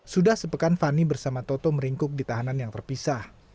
sudah sepekan fani bersama toto meringkuk di tahanan yang terpisah